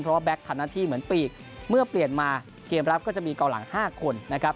เพราะว่าแก๊กทำหน้าที่เหมือนปีกเมื่อเปลี่ยนมาเกมรับก็จะมีเกาหลัง๕คนนะครับ